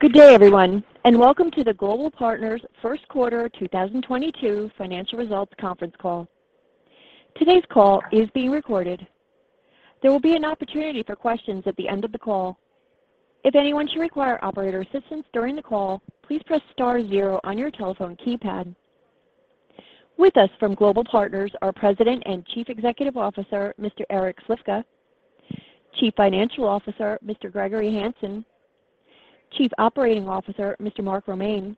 Good day, everyone, and welcome to the Global Partners first quarter 2022 financial results conference call. Today's call is being recorded. There will be an opportunity for questions at the end of the call. If anyone should require operator assistance during the call, please press star zero on your telephone keypad. With us from Global Partners are President and Chief Executive Officer, Mr. Eric Slifka, Chief Financial Officer, Mr. Gregory Hanson, Chief Operating Officer, Mr. Mark Romaine,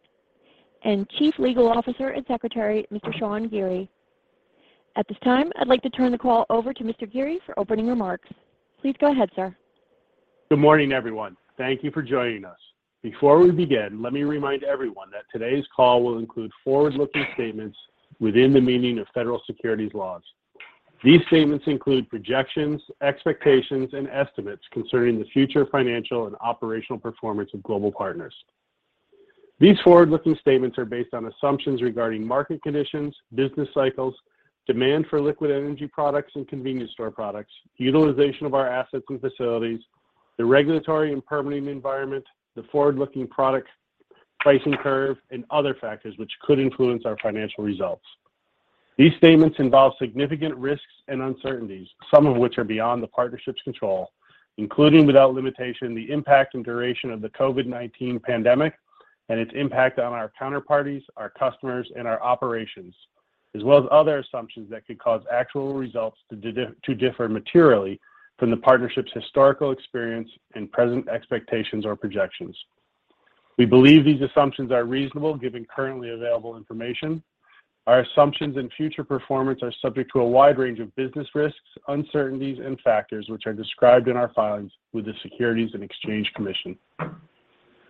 and Chief Legal Officer and Secretary, Mr. Sean Geary. At this time, I'd like to turn the call over to Mr. Geary for opening remarks. Please go ahead, sir. Good morning, everyone. Thank you for joining us. Before we begin, let me remind everyone that today's call will include forward-looking statements within the meaning of federal securities laws. These statements include projections, expectations, and estimates concerning the future financial and operational performance of Global Partners. These forward-looking statements are based on assumptions regarding market conditions, business cycles, demand for liquid energy products and convenience store products, utilization of our assets and facilities, the regulatory and permitting environment, the forward-looking product pricing curve, and other factors which could influence our financial results. These statements involve significant risks and uncertainties, some of which are beyond the partnership's control, including without limitation the impact and duration of the COVID-19 pandemic and its impact on our counterparties, our customers, and our operations, as well as other assumptions that could cause actual results to differ materially from the partnership's historical experience and present expectations or projections. We believe these assumptions are reasonable given currently available information. Our assumptions and future performance are subject to a wide range of business risks, uncertainties, and factors, which are described in our filings with the Securities and Exchange Commission.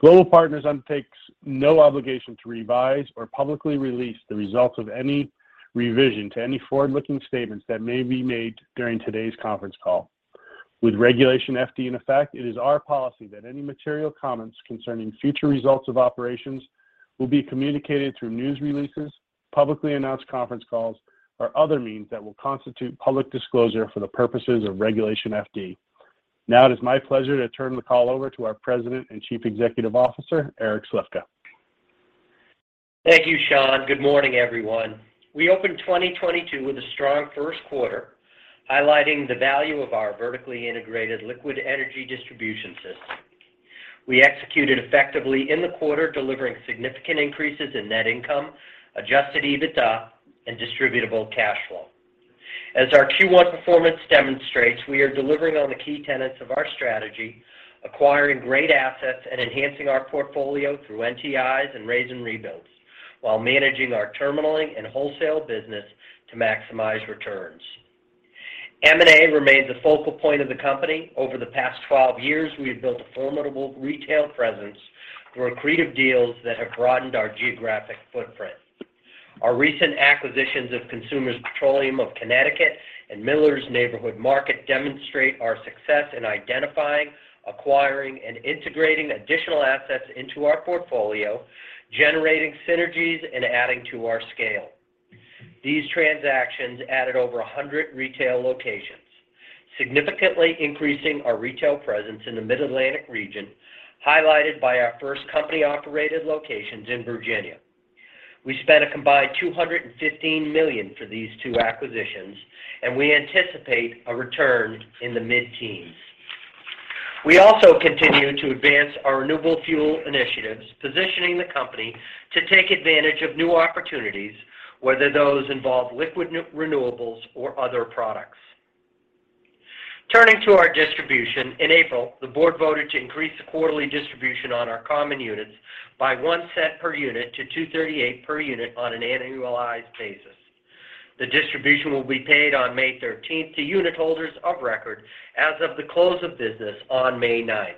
Global Partners undertakes no obligation to revise or publicly release the results of any revision to any forward-looking statements that may be made during today's conference call. With Regulation FD in effect, it is our policy that any material comments concerning future results of operations will be communicated through news releases, publicly announced conference calls, or other means that will constitute public disclosure for the purposes of Regulation FD. Now it is my pleasure to turn the call over to our President and Chief Executive Officer, Eric Slifka. Thank you, Sean. Good morning, everyone. We opened 2022 with a strong first quarter, highlighting the value of our vertically integrated liquid energy distribution system. We executed effectively in the quarter, delivering significant increases in net income, adjusted EBITDA, and distributable cash flow. As our Q1 performance demonstrates, we are delivering on the key tenets of our strategy, acquiring great assets and enhancing our portfolio through NTIs and raze and rebuilds, while managing our terminaling and wholesale business to maximize returns. M&A remains a focal point of the company. Over the past 12 years, we have built a formidable retail presence through accretive deals that have broadened our geographic footprint. Our recent acquisitions of Consumers Petroleum of Connecticut and Miller's Neighborhood Market demonstrate our success in identifying, acquiring, and integrating additional assets into our portfolio, generating synergies, and adding to our scale. These transactions added over 100 retail locations, significantly increasing our retail presence in the Mid-Atlantic region, highlighted by our first company-operated locations in Virginia. We spent a combined $215 million for these two acquisitions, and we anticipate a return in the mid-teens. We also continue to advance our renewable fuel initiatives, positioning the company to take advantage of new opportunities, whether those involve liquid renewables or other products. Turning to our distribution, in April, the board voted to increase the quarterly distribution on our common units by $0.01 per unit to $0.238 per unit on an annualized basis. The distribution will be paid on May 13 to unit holders of record as of the close of business on May 9.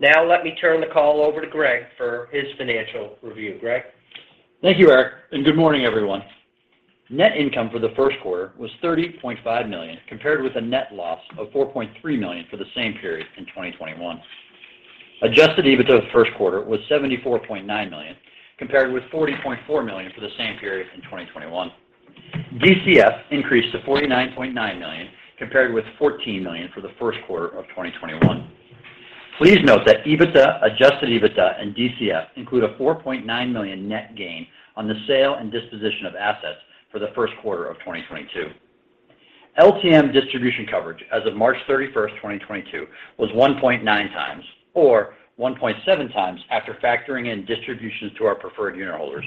Now let me turn the call over to Greg for his financial review. Greg? Thank you, Eric, and good morning, everyone. Net income for the first quarter was $30.5 million, compared with a net loss of $4.3 million for the same period in 2021. Adjusted EBITDA for the first quarter was $74.9 million, compared with $40.4 million for the same period in 2021. DCF increased to $49.9 million, compared with $14 million for the first quarter of 2021. Please note that EBITDA, adjusted EBITDA, and DCF include a $4.9 million net gain on the sale and disposition of assets for the first quarter of 2022. LTM distribution coverage as of March 31, 2022 was 1.9 times or 1.7 times after factoring in distributions to our preferred unit holders.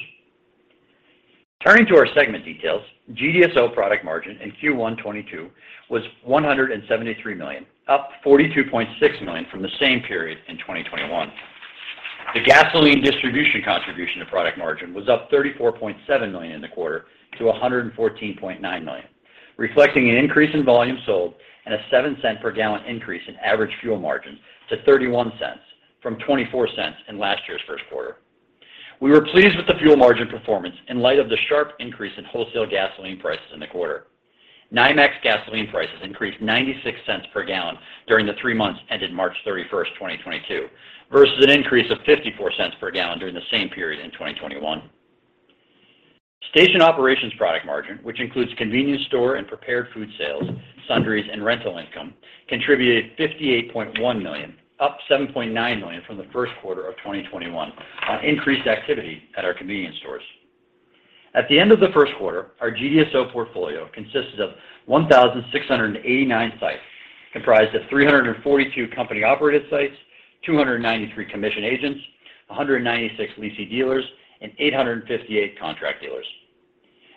Turning to our segment details, GDSO product margin in Q1 2022 was $173 million, up $42.6 million from the same period in 2021. The gasoline distribution contribution to product margin was up $34.7 million in the quarter to $114.9 million, reflecting an increase in volume sold and a 7-cent per gallon increase in average fuel margin to 31 cents from 24 cents in last year's first quarter. We were pleased with the fuel margin performance in light of the sharp increase in wholesale gasoline prices in the quarter. NYMEX gasoline prices increased $0.96 per gallon during the three months ended March 31, 2022 versus an increase of $0.54 per gallon during the same period in 2021. Station operations product margin, which includes convenience store and prepared food sales, sundries, and rental income, contributed $58.1 million, up $7.9 million from the first quarter of 2021 on increased activity at our convenience stores. At the end of the first quarter, our GDSO portfolio consisted of 1,689 sites, comprised of 342 company-operated sites, 293 commission agents, 196 lessee dealers, and 858 contract dealers.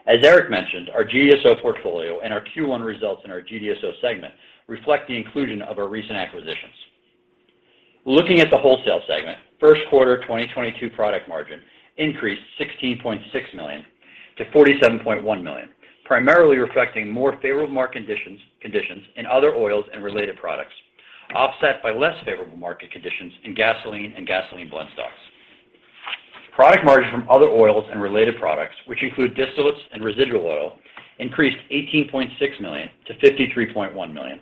As Eric mentioned, our GDSO portfolio and our Q1 results in our GDSO segment reflect the inclusion of our recent acquisitions. Looking at the wholesale segment, first quarter 2022 product margin increased $16.6 million–$47.1 million, primarily reflecting more favorable market conditions in other oils and related products, offset by less favorable market conditions in gasoline and gasoline blend stocks. Product margin from other oils and related products, which include distillates and residual oil, increased $18.6 million–$53.1 million.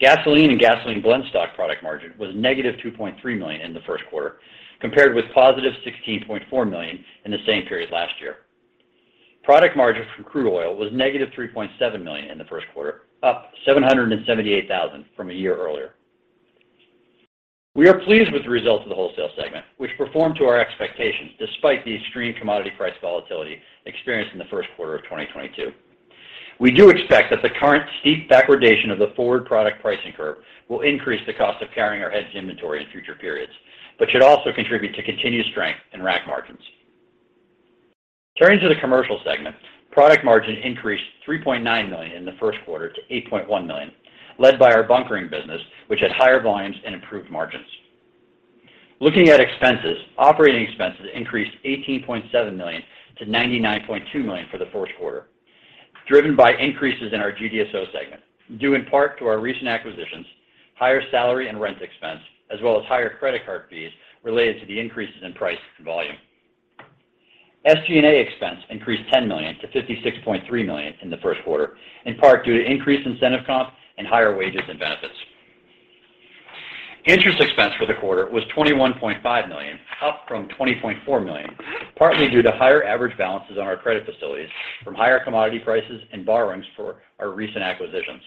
Gasoline and gasoline blend stock product margin was -$2.3 million in the first quarter, compared with $16.4 million in the same period last year. Product margin from crude oil was -$3.7 million in the first quarter, up $778,000 from a year earlier. We are pleased with the results of the wholesale segment, which performed to our expectations despite the extreme commodity price volatility experienced in the first quarter of 2022. We do expect that the current steep backwardation of the forward product pricing curve will increase the cost of carrying our hedged inventory in future periods, but should also contribute to continued strength in rack margins. Turning to the commercial segment, product margin increased $3.9 million in the first quarter to $8.1 million, led by our bunkering business, which had higher volumes and improved margins. Looking at expenses, operating expenses increased $18.7 million–$99.2 million for the first quarter, driven by increases in our GDSO segment, due in part to our recent acquisitions, higher salary and rent expense, as well as higher credit card fees related to the increases in price and volume. SG&A expense increased $10 million–$56.3 million in the first quarter, in part due to increased incentive comp and higher wages and benefits. Interest expense for the quarter was $21.5 million, up from $20.4 million, partly due to higher average balances on our credit facilities from higher commodity prices and borrowings for our recent acquisitions.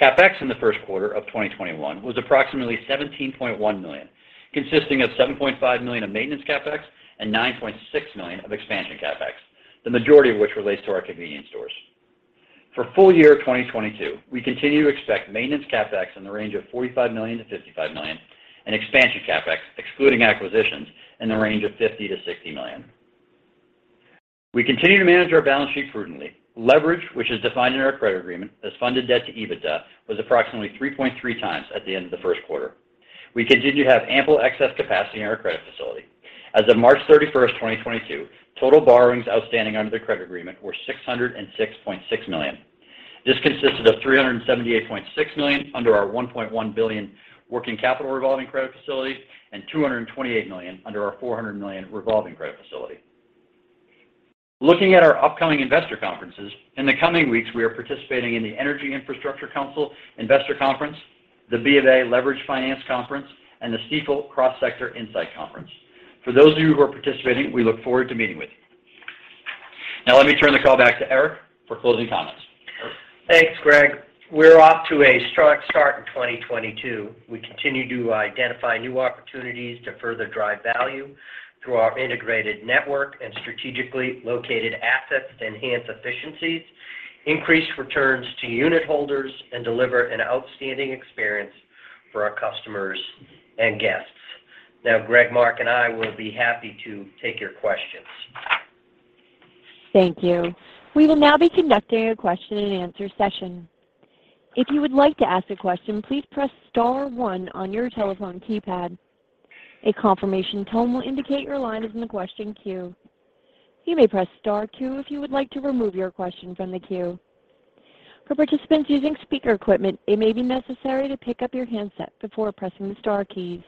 CapEx in the first quarter of 2021 was approximately $17.1 million, consisting of $7.5 million of maintenance CapEx and $9.6 million of expansion CapEx, the majority of which relates to our convenience stores. For full year 2022, we continue to expect maintenance CapEx in the range of $45 million-$55 million and expansion CapEx, excluding acquisitions, in the range of $50 million-$60 million. We continue to manage our balance sheet prudently. Leverage, which is defined in our credit agreement as funded debt to EBITDA, was approximately 3.3 times at the end of the first quarter. We continue to have ample excess capacity in our credit facility. As of March 31, 2022, total borrowings outstanding under the credit agreement were $606.6 million. This consisted of $378.6 million under our $1.1 billion working capital revolving credit facility and $228 million under our $400 million revolving credit facility. Looking at our upcoming investor conferences, in the coming weeks, we are participating in the Energy Infrastructure Council Investor Conference, the BofA Leveraged Finance Conference, and the Stifel Cross Sector Insight Conference. For those of you who are participating, we look forward to meeting with you. Now let me turn the call back to Eric for closing comments. Eric? Thanks, Greg. We're off to a strong start in 2022. We continue to identify new opportunities to further drive value through our integrated network and strategically located assets to enhance efficiencies, increase returns to unitholders, and deliver an outstanding experience for our customers and guests. Now, Greg, Mark, and I will be happy to take your questions. Thank you. We will now be conducting a question and answer session. If you would like to ask a question, please press star one on your telephone keypad. A confirmation tone will indicate your line is in the question queue. You may press star two if you would like to remove your question from the queue. For participants using speaker equipment, it may be necessary to pick up your handset before pressing the star keys.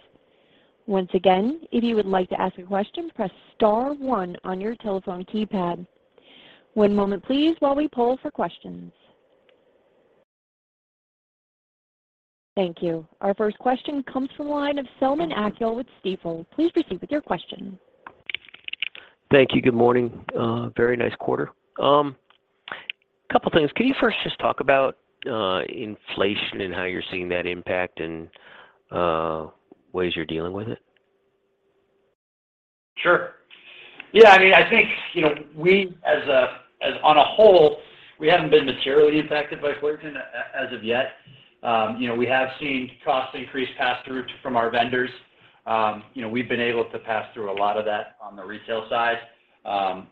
Once again, if you would like to ask a question, press star one on your telephone keypad. One moment, please, while we poll for questions. Thank you. Our first question comes from the line of Selman Akyol with Stifel. Please proceed with your question. Thank you. Good morning. Very nice quarter. Couple things. Can you first just talk about inflation and how you're seeing that impact and ways you're dealing with it? Sure. Yeah, I mean, I think, you know, we as a whole, we haven't been materially impacted by inflation as of yet. You know, we have seen cost increase pass-through from our vendors. You know, we've been able to pass through a lot of that on the retail side, and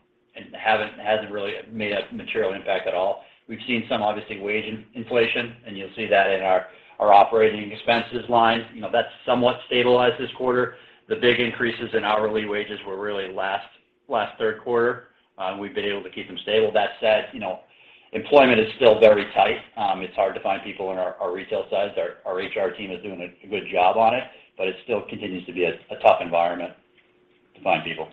hasn't really made a material impact at all. We've seen some obviously wage inflation, and you'll see that in our operating expenses line. You know, that's somewhat stabilized this quarter. The big increases in hourly wages were really last third quarter. We've been able to keep them stable. That said, you know, employment is still very tight. It's hard to find people in our retail sites. Our HR team is doing a good job on it, but it still continues to be a tough environment to find people.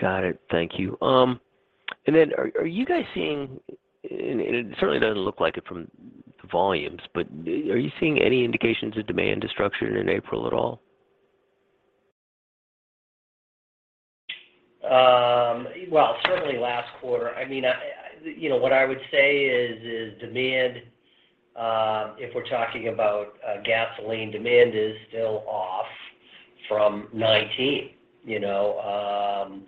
Got it. Thank you. Are you guys seeing, and it certainly doesn't look like it from the volumes, but are you seeing any indications of demand destruction in April at all? Well, certainly last quarter. I mean, you know, what I would say is demand, if we're talking about gasoline demand is still off from 2019. You know?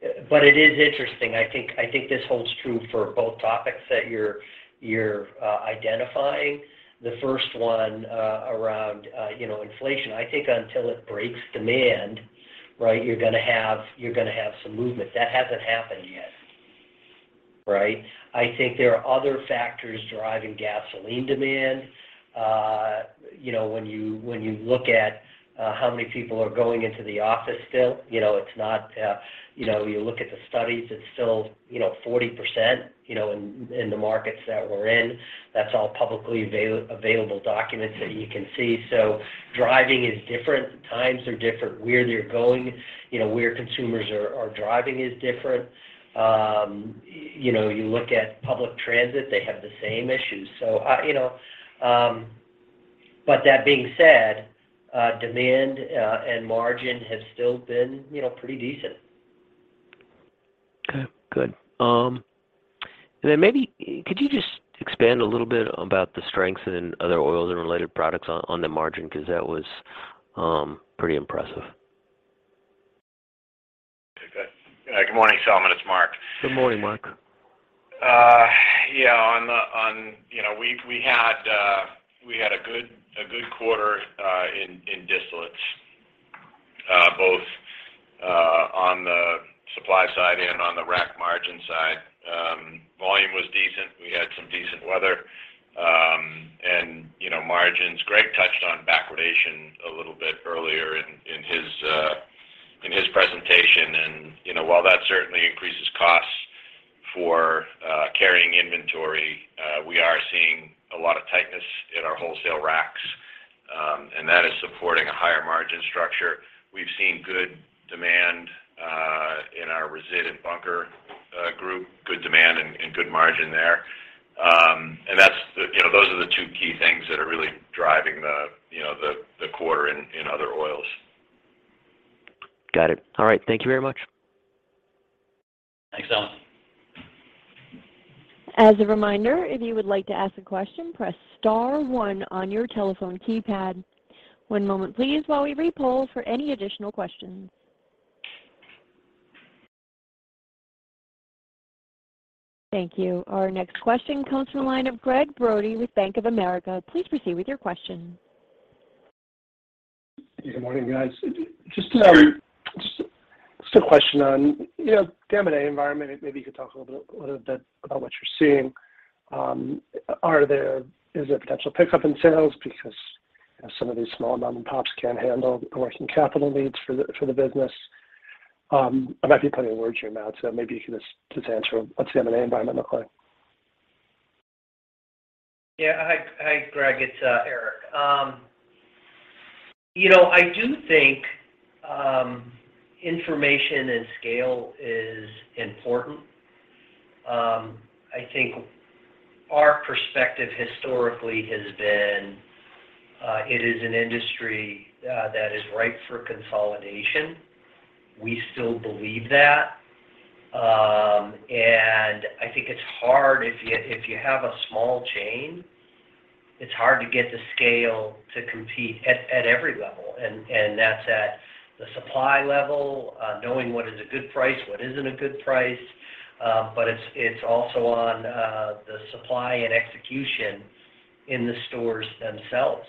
It is interesting. I think this holds true for both topics that you're identifying. The first one around, you know, inflation. I think until it breaks demand, right? You're gonna have some movement. That hasn't happened yet, right? I think there are other factors driving gasoline demand. You know, when you look at how many people are going into the office still, you know, it's not. You know, you look at the studies, it's still, you know, 40%, you know, in the markets that we're in. That's all publicly available documents that you can see. So driving is different. Times are different. Where you're going, you know, where consumers are driving is different. You know, you look at public transit, they have the same issues. I, you know, but that being said, demand and margin have still been, you know, pretty decent. Okay. Good. Maybe could you just expand a little bit about the strength in other oils and related products on the margin? 'Cause that was pretty impressive. Good morning, Selman. It's Mark. Good morning, Mark. Yeah. You know, we had a good quarter in distillates, both on the supply side and on the rack margin side. Volume was decent. We had some decent weather. You know, margins. Greg touched on backwardation a little bit earlier in his presentation. You know, while that certainly increases costs for carrying inventory, we are seeing a lot of tightness in our wholesale racks. That is supporting a higher margin structure. We've seen good demand in our residual and bunker group. Good demand and good margin there. You know, those are the two key things that are really driving the quarter in other oils. Got it. All right. Thank you very much. Thanks, Selman. As a reminder, if you would like to ask a question, press star one on your telephone keypad. One moment please, while we re-poll for any additional questions. Thank you. Our next question comes from the line of Gregg Brody with Bank of America. Please proceed with your question. Good morning, guys. Just a question on, you know, the M&A environment. Maybe you could talk a little bit about what you're seeing. Is there potential pickup in sales because, you know, some of these small mom-and-pops can't handle the working capital needs for the business? I might be putting words in your mouth, so maybe you can just answer what's the M&A environment look like. Yeah. Hi. Hi, Greg. It's Eric. You know, I do think information and scale is important. I think our perspective historically has been it is an industry that is ripe for consolidation. We still believe that. I think it's hard if you have a small chain. It's hard to get the scale to compete at every level. That's at the supply level knowing what is a good price, what isn't a good price. It's also on the supply and execution in the stores themselves,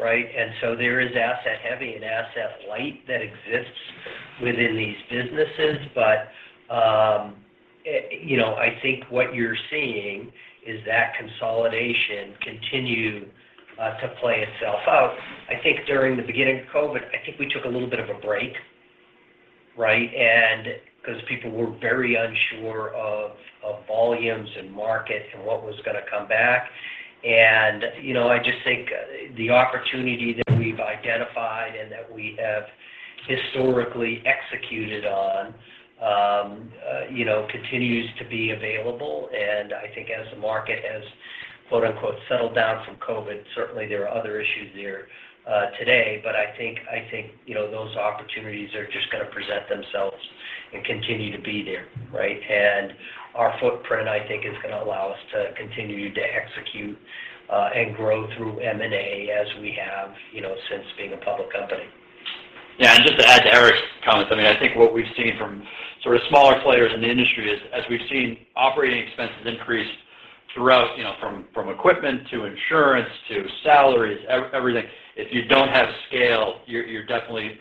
right? There is asset-heavy and asset-light that exists within these businesses. You know, I think what you're seeing is that consolidation continue to play itself out. I think during the beginning of COVID-19, I think we took a little bit of a break, right? 'Cause people were very unsure of volumes and market and what was gonna come back. You know, I just think the opportunity that we've identified and that we have historically executed on, you know, continues to be available. I think as the market has quote-unquote "settled down" from COVID-19, certainly there are other issues there today, but I think you know, those opportunities are just gonna present themselves and continue to be there, right? Our footprint, I think, is gonna allow us to continue to execute and grow through M&A as we have, you know, since being a public company. Yeah. Just to add to Eric's comments. I mean, I think what we've seen from sort of smaller players in the industry is as we've seen operating expenses increase throughout, you know, from equipment to insurance to salaries, everything, if you don't have scale, you're definitely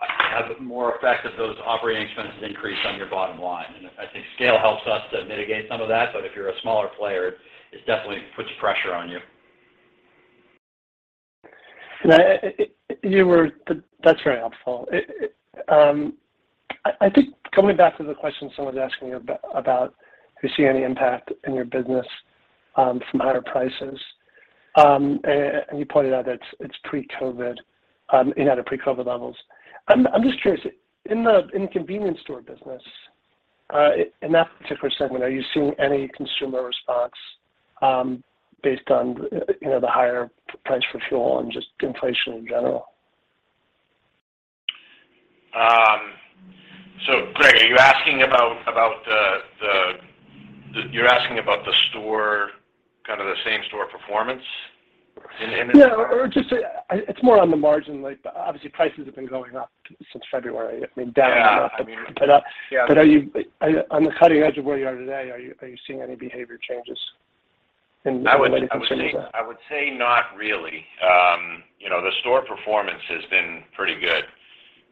have more effect of those operating expenses increase on your bottom line. I think scale helps us to mitigate some of that. If you're a smaller player, it definitely puts pressure on you. That's very helpful. I think coming back to the question someone's asking about, do you see any impact in your business from higher prices, and you pointed out that it's pre-COVID-19, you know, the pre-COVID-19 levels. I'm just curious. In the convenience store business, in that particular segment, are you seeing any consumer response based on, you know, the higher price for fuel and just inflation in general? Greg, you're asking about the store, kind of the same store performance in Yeah. Just, it's more on the margin, like, but obviously prices have been going up since February. I mean, down. Yeah. I mean. Up. Yeah. Are you on the cutting edge of where you are today, are you seeing any behavior changes in the way the consumer is- I would say not really. You know, the store performance has been pretty good.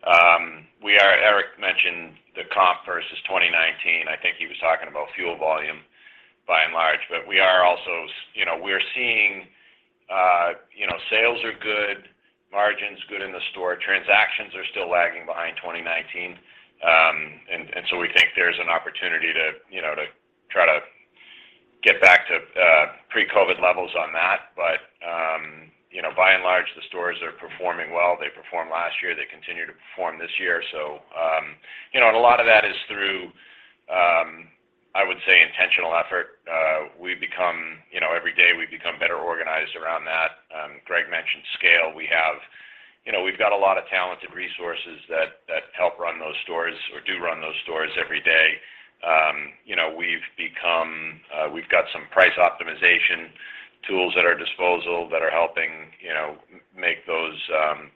Eric mentioned the comp versus 2019. I think he was talking about fuel volume by and large. We are also seeing, you know, sales are good, margins good in the store. Transactions are still lagging behind 2019. We think there's an opportunity to, you know, to try to get back to pre-COVID-19 levels on that. You know, by and large, the stores are performing well. They performed last year. They continue to perform this year. You know, a lot of that is through, I would say intentional effort. We've become. You know, every day we become better organized around that. Eric mentioned scale. We have... You know, we've got a lot of talented resources that help run those stores or do run those stores every day. You know, we've got some price optimization tools at our disposal that are helping, you know, make those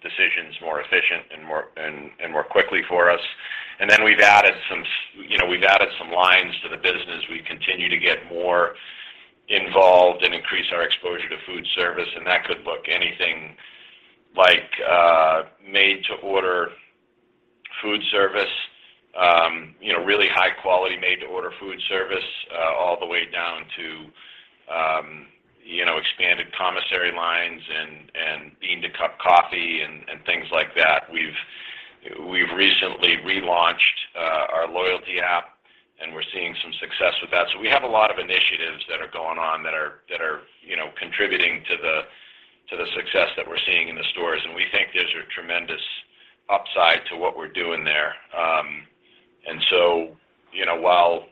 decisions more efficient and more and more quickly for us. We've added some lines to the business. You know, we've added some lines to the business. We continue to get more involved and increase our exposure to food service, and that could look like anything like made to order food service, you know, really high quality made to order food service, all the way down to, you know, expanded commissary lines and bean-to-cup coffee and things like that. We've recently relaunched our loyalty app, and we're seeing some success with that. We have a lot of initiatives that are going on that are you know contributing to the success that we're seeing in the stores, and we think there's a tremendous upside to what we're doing there. You know, while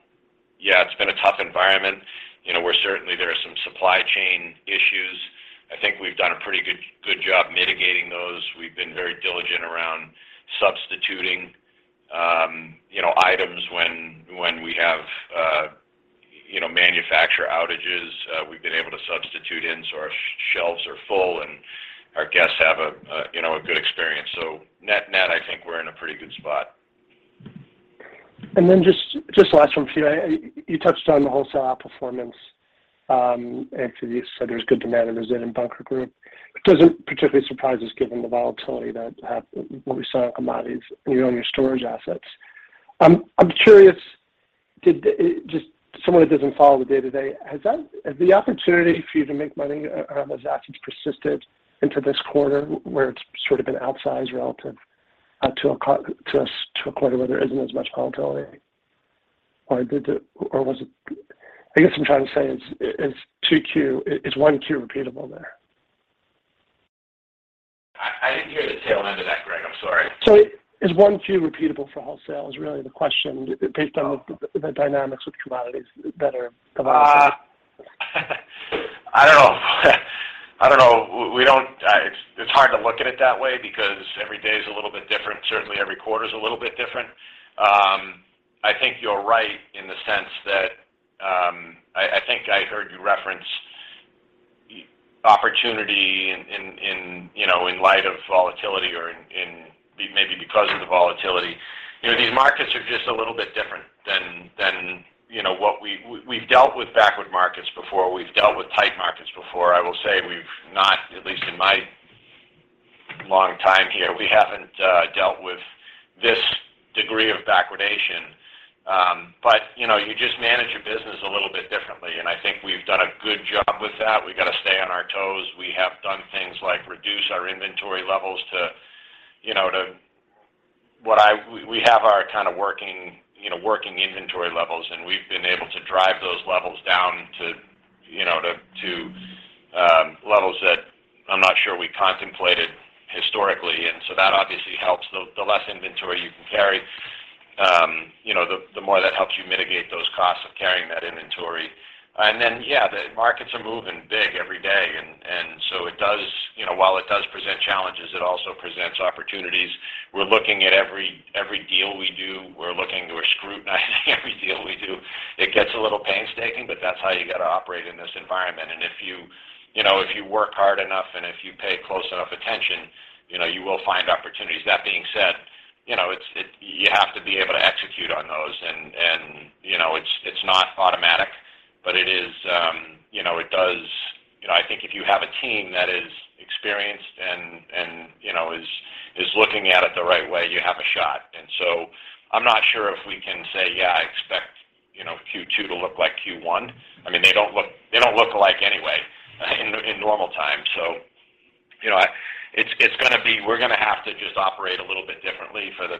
yeah, it's been a tough environment. You know, we're certainly there are some supply chain issues. I think we've done a pretty good job mitigating those. We've been very diligent around substituting you know items when we have you know manufacturer outages. We've been able to substitute in so our shelves are full, and our guests have a you know a good experience. Net, I think we're in a pretty good spot. Just last one for you. You touched on the wholesale outperformance, and so you said there's good demand in the residual and bunker group, which doesn't particularly surprise us given the volatility what we saw in commodities and, you know, in your storage assets. I'm curious, did just someone who doesn't follow the day-to-day, has the opportunity for you to make money around those assets persisted into this quarter where it's sort of been outsized relative to a quarter where there isn't as much volatility? Or was it. I guess I'm trying to say is 2Q. Is 1Q repeatable there? I didn't hear the tail end of that, Greg. I'm sorry. Is Q1 repeatable for wholesale is really the question based on the dynamics with commodities that are volatile. I don't know. It's hard to look at it that way because every day is a little bit different. Certainly every quarter is a little bit different. I think you're right in the sense that I think I heard you reference opportunity, you know, in light of volatility or maybe because of the volatility. You know, these markets are just a little bit different than what we've dealt with backwardated markets before. We've dealt with tight markets before. I will say we've not, at least in my long time here, we haven't dealt with this degree of backwardation. You know, you just manage your business a little bit different, and I think we've done a good job with that. We've got to stay on our toes. We have done things like reduce our inventory levels to, you know. We have our kind of working, you know, inventory levels, and we've been able to drive those levels down to, you know, levels that I'm not sure we contemplated historically. That obviously helps. The less inventory you can carry, you know, the more that helps you mitigate those costs of carrying that inventory. The markets are moving big every day. You know, while it does present challenges, it also presents opportunities. We're looking at every deal we do. We're looking at or scrutinizing every deal we do. It gets a little painstaking, but that's how you got to operate in this environment. If you know, if you work hard enough and if you pay close enough attention, you know, you will find opportunities. That being said, you know, you have to be able to execute on those and, you know, it's not automatic, but it is, you know, it does. You know, I think if you have a team that is experienced and, you know, is looking at it the right way, you have a shot. I'm not sure if we can say, yeah, I expect, you know, Q2 to look like Q1. I mean, they don't look alike anyway in normal times. You know, it's gonna be. We're gonna have to just operate a little bit differently for the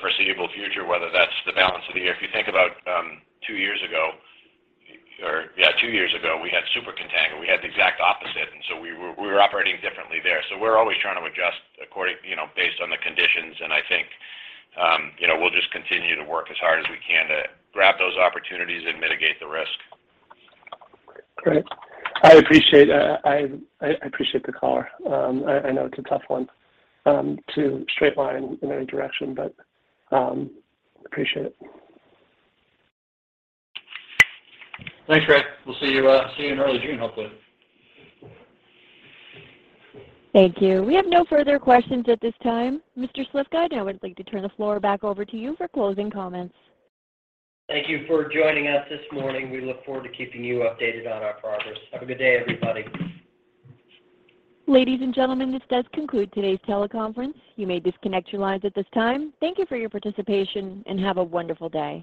foreseeable future, whether that's the balance of the year. Two years ago, we had super contango. We had the exact opposite, and so we were operating differently there. We're always trying to adjust accordingly, you know, based on the conditions, and I think, you know, we'll just continue to work as hard as we can to grab those opportunities and mitigate the risk. Great. I appreciate the color. I know it's a tough one to straight line in any direction, but appreciate it. Thanks, Greg. We'll see you in early June, hopefully. Thank you. We have no further questions at this time. Mr. Slifka, I would like to turn the floor back over to you for closing comments. Thank you for joining us this morning. We look forward to keeping you updated on our progress. Have a good day, everybody. Ladies and gentlemen, this does conclude today's teleconference. You may disconnect your lines at this time. Thank you for your participation, and have a wonderful day.